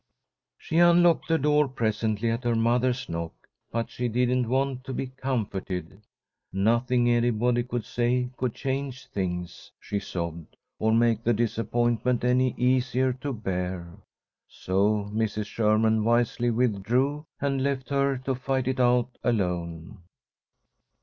She unlocked the door presently at her mother's knock, but she didn't want to be comforted. Nothing anybody could say could change things, she sobbed, or make the disappointment any easier to bear. So Mrs. Sherman wisely withdrew, and left her to fight it out alone.